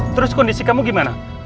terus kondisi kamu gimana